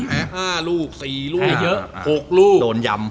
แพ้๕ลูก๔ลูก๖ลูกโดนยำ